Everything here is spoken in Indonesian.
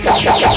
kek tumam baru